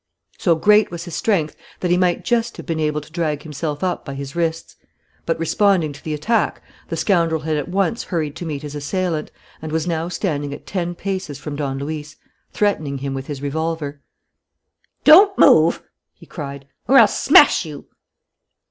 So great was his strength that he might just have been able to drag himself up by his wrists. But responding to the attack, the scoundrel had at once hurried to meet his assailant and was now standing at ten paces from Don Luis, threatening him with his revolver: "Don't move!" he cried, "or I'll smash you!"